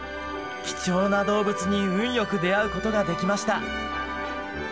貴重な動物に運良く出会うことができました！